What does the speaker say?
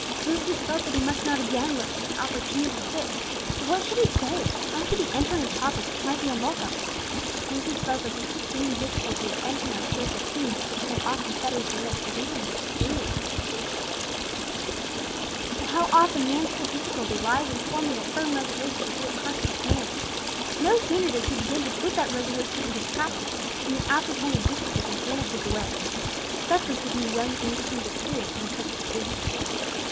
Lucius felt that he must not again let such an opportunity slip. But what should he say, how should he enter on a topic which might be unwelcome? Lucius felt that extreme difficulty of entering on spiritual themes which so often fetters the lips even of experienced Christians. But how often man's whole difficulty lies in forming a firm resolution to do what conscience commands. No sooner does he begin to put that resolution into practice than the apprehended difficulty vanishes away! Such was to be the young Englishman's experience on the present occasion.